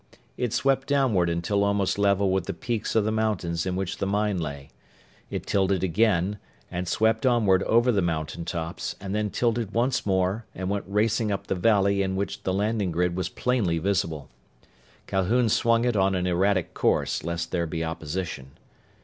It swept downward until almost level with the peaks of the mountains in which the mine lay. It tilted again, and swept onward over the mountaintops, and then tilted once more and went racing up the valley in which the landing grid was plainly visible. Calhoun swung it on an erratic course, lest there be opposition.